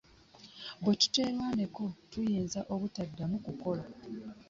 Bwe tuterwaneko tuyinza obutadamu kukola.